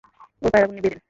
ওর পায়ের আগুন নিভিয়ে দিন।